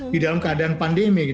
di dalam keadaan pandemi